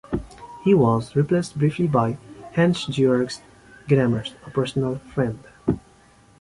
He was replaced briefly by Hans-Georg Gadamer, a personal friend.